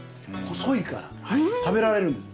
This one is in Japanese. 細いから食べられるんです。